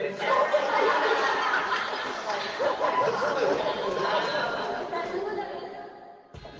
どストレート。